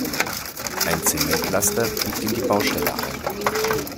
Ein Zementlaster biegt in die Baustelle ein.